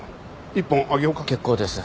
結構です。